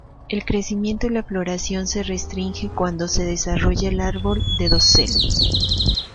El crecimiento y la floración se restringe cuando se desarrolla el árbol de dosel.